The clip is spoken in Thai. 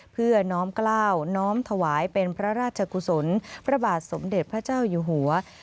เพื่อน้อมกล้าวน้อมถวายเป็นพระราชกุศลพระบาทสมเด็จพระเจ้าอยู่หัว